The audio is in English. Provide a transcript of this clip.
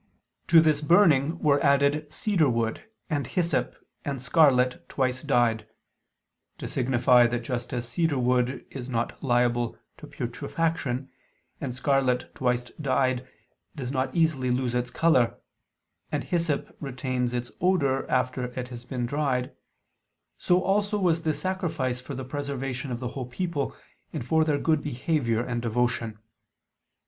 To this burning were added "cedar wood, and hyssop, and scarlet twice dyed," to signify that just as cedar wood is not liable to putrefaction, and scarlet twice dyed does not easily lose its color, and hyssop retains its odor after it has been dried; so also was this sacrifice for the preservation of the whole people, and for their good behavior and devotion.